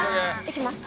いきます。